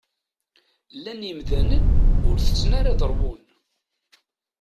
Llan yimdanen ur ntett ara ad rwun.